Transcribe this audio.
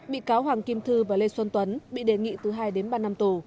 bị cáo hoàng kim thư và lê xuân tuấn bị đề nghị từ hai đến ba năm tù